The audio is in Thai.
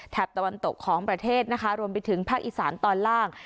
ตะวันตกของประเทศนะคะรวมไปถึงภาคอีสานตอนล่าง